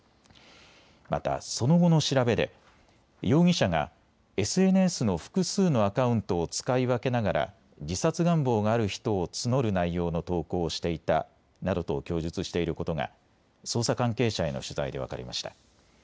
また、その後の調べで容疑者がＳＮＳの複数のアカウントを使い分けながら自殺願望がある人を募る内容の投稿をしていたなどと供述していることが捜査関係者への取材で分かりました。